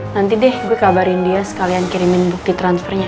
nanti deh gue kabarin dia sekalian kirimin bukti transfernya